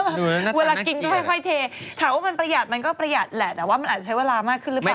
ดูแล้วหน้าตาน่าเกียรติว่ะถามว่ามันประหยัดมันก็ประหยัดแหละแต่ว่ามันอาจจะใช้เวลามากขึ้นหรือเปล่า